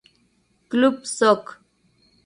Club Soc.